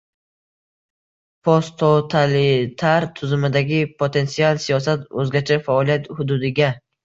Posttotalitar tuzumdagi potensial siyosat o‘zgacha faoliyat hududiga